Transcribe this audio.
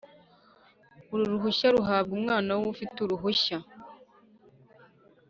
Uru ruhushya ruhabwa umwana w ufite uruhushya